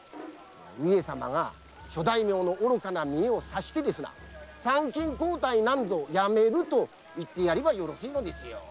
上様が諸大名の愚かな見栄を察して参勤交代なんぞやめると言ってやればよろしいのですよ。